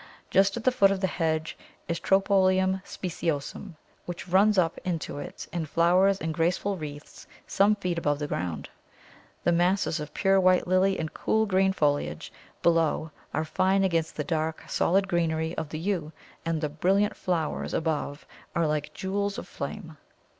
Just at the foot of the hedge is Tropæolum speciosum, which runs up into it and flowers in graceful wreaths some feet above the ground. The masses of pure white lily and cool green foliage below are fine against the dark, solid greenery of the Yew, and the brilliant flowers above are like little jewels of flame.